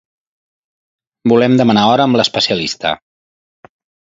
Volem demanar hora amb l'especialista.